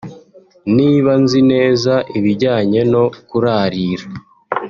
“Niba nzi neza ibijyanye no kurarira